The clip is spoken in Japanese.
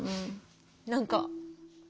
何か。